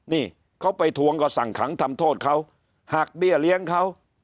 นี่เขาไปทวงก็สั่งขังทำโทษเขาหักเบี้ยเลี้ยงเขา